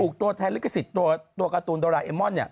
อุปกรณ์ไทยลิขสิทธิ์ตัวการ์ตูนโดราเอม่อนเนี่ย